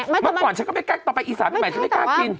เมื่อก่อนฉันก็ไม่กล้าต่อไปอีสานใหม่ฉันไม่กล้ากิน